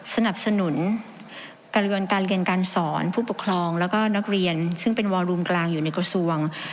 สนับสนุนกระบวนการเรียนการสอนผู้ปกครองแล้วก็นักเรียนซึ่งเป็นวอรูมกลางอยู่ในกระทรวง